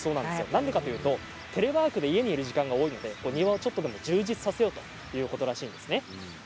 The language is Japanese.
なぜかというとテレワークで家にいることが多くてお庭を充実させようということらしいんです。